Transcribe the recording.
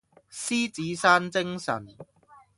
獅子山精神